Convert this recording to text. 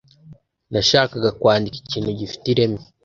Nashakaga kwandika ikintu gifite ireme.